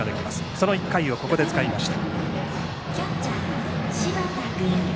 その１回をここで使いました。